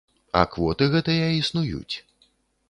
А квоты гэтыя існуюць.